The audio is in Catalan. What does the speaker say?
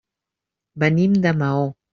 Venim de Maó.